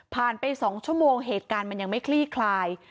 ไป๒ชั่วโมงเหตุการณ์มันยังไม่คลี่คลาย